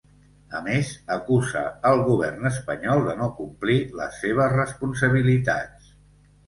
A més, acusa el govern espanyol de no complir les seves responsabilitats.